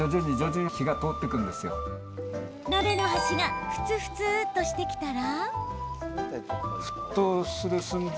鍋の端がふつふつとしてきたら。